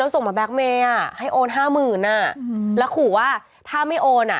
ส่งมาแก๊กเมย์อ่ะให้โอนห้าหมื่นอ่ะแล้วขู่ว่าถ้าไม่โอนอ่ะ